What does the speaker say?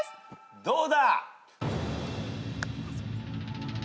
どうだ。